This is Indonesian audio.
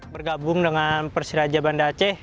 bergabung dengan persiraja banda aceh